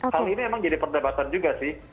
hal ini memang jadi perdebatan juga sih